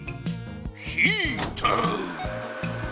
ヒーター！